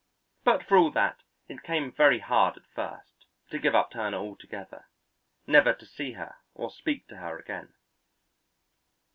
But for all that, it came very hard at first to give up Turner altogether; never to see her or speak to her again.